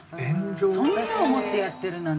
そんなん思ってやってるなんて。